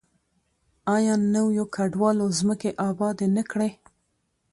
آیا نویو کډوالو ځمکې ابادې نه کړې؟